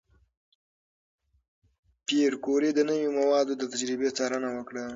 پېیر کوري د نوې موادو د تجربې څارنه وکړه.